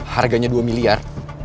harganya dua miliar